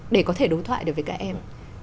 để có thể đối thoại được với các em